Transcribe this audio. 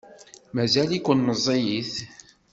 Mazal-iken meẓẓiyit.